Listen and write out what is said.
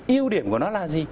yêu điểm của nó là gì